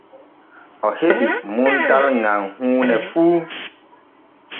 O heɓa muntal gam huune fu.